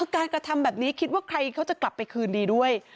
การกระทำแบบนี้คิดว่าใครเขาจะกลับไปคืนดีด้วย